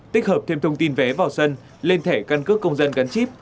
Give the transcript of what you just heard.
tích hợp thêm thông tin vé vào sân lên thẻ căn cước công dân gắn chip